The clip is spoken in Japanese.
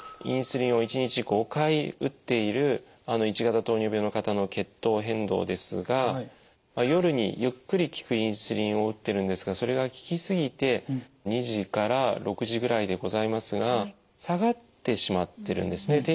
インスリンを１日５回打っている１型糖尿病の方の血糖変動ですが夜にゆっくり効くインスリンを打ってるんですがそれが効き過ぎて２時から６時ぐらいでございますが下がってしまってるんですね。